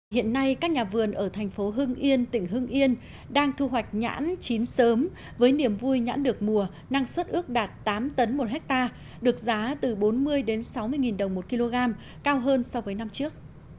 hiện nay các nhà vườn ở thành phố hưng yên tỉnh hưng yên đang thu hoạch nhãn chín sớm với niềm vui nhãn được mùa năng suất ước đạt tám tấn một hectare được giá từ bốn mươi sáu mươi nghìn đồng một kg cao hơn so với năm trước